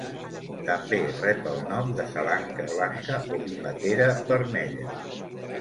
També rep el nom de salanca blanca o vimetera vermella.